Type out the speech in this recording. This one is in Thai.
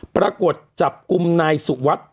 ปรากฏจับกลุ่มนายสุวัสดิ์